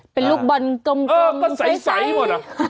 เป็นลูกบอลกลมกลมใสหรอ